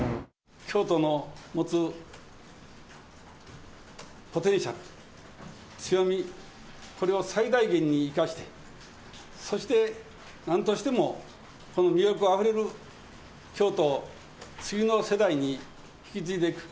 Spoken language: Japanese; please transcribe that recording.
京都の持つポテンシャル、強み、これを最大限に生かして、そしてなんとしてもこの魅力あふれる京都を次の世代に引き継いでいく。